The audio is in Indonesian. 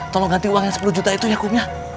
tolong ganti uang yang sepuluh juta itu ya hukumnya